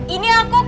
ini aku kak